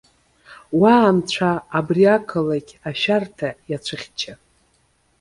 Уа, Анцәа! Абри ақалақь ашәарҭа иацәыхьча.